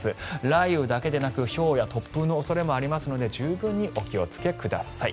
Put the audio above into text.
雷雨だけでなくひょうや突風の恐れもありますので十分にお気をつけください。